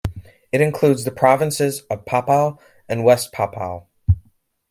It includes the provinces of Papua and West Papua.